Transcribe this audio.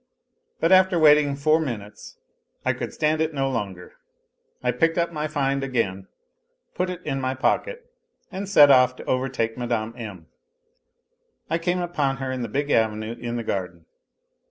But after waiting four minutes I could stand it no longer, I picked up my find again, put it in my pocket, and set off to overtake Mme. M. I came upon her in the big avenue in the garden.